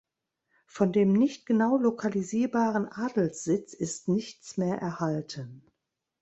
Von dem nicht genau lokalisierbaren Adelssitz ist nichts mehr erhalten.